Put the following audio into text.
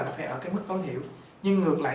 nó phải ở cái mức tối thiểu nhưng ngược lại